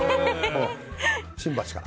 新橋から。